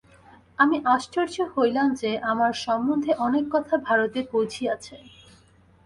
আমি আশ্চর্য হইলাম যে, আমার সম্বন্ধে অনেক কথা ভারতে পৌঁছিয়াছে।